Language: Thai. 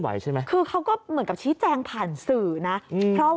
ใช่ไหมคือเขาก็เหมือนกับชี้แจงผ่านสื่อนะอืมเพราะ